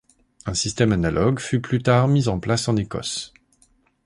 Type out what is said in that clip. Un système analogue fut plus tard mis en place en Écosse.